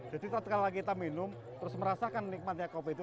jadi tadkala kita minum terus merasakan nikmatnya kopi itu